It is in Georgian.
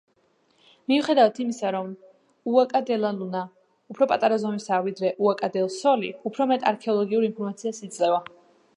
მიუხედავად იმისა, რომ უაკა-დე-ლა-ლუნა უფრო პატარა ზომისაა ვიდრე უაკა-დელ-სოლი, უფრო მეტ არქეოლოგიურ ინფორმაციას იძლევა.